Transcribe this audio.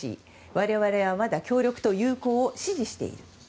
我々はまだ協力と友好を支持している。